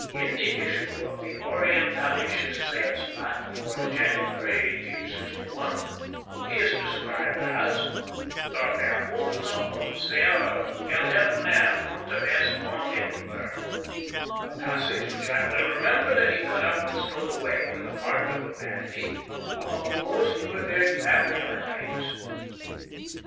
In the issue of the Orientalisches Scienzblatt for January, 1861, he is described as "Der beruhmte und sehr gelhernte Hunter West von Edinburgh" a passage which I well remember that he cut out and stowed away, with a pardonable vanity, among the most revered family archives.